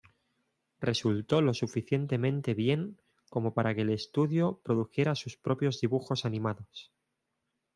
Resultó lo suficientemente bien como para que el estudio produjera sus propios dibujos animados.